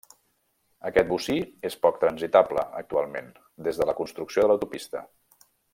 Aquest bocí és poc transitable actualment, des de la construcció de l'autopista.